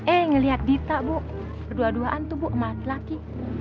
eh ngeliat dita bu berdua duaan tuh bu laki laki